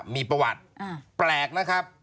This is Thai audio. มีประวัติแปลกนะครับ